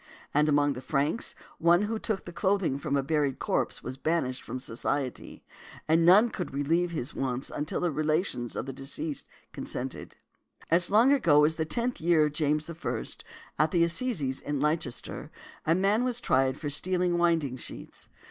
And among the Franks, one who took the clothing from a buried corpse was banished from society, and none could relieve his wants until the relations of the deceased consented . As long ago as the tenth year of James I., at the assizes in Leicester, a man was tried for stealing winding sheets.